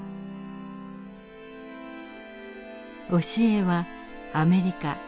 教えはアメリカ